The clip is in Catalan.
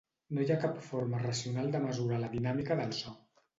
No hi ha cap forma racional de mesurar la dinàmica del so.